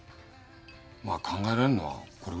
まぁ考えられるのはこれぐらいかな。